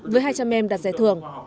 với hai trăm linh em đạt giải thưởng